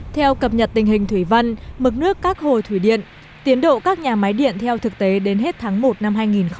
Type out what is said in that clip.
theo cập nhật tình hình thủy văn mực nước các hồ thủy điện tiến độ các nhà máy điện theo thực tế đến hết tháng một năm hai nghìn hai mươi